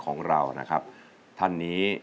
ร้องได้ให้ร้าง